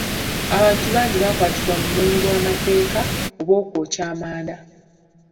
Abantu bangi baakwatiddwa mu bumenyi bw'amateeka obw'okwokya amanda.